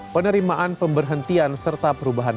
penerimaan pemberhentian serta perubahan